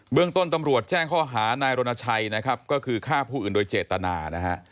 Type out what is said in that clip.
เรื่องต้นตำรวจแจ้งข้อหานายรณชัยนะครับก็คือฆ่าผู้อื่นโดยเจตนานะฮะ